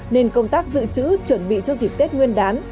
nên công tác dự trữ chuẩn bị cho dịp tết nguyên đán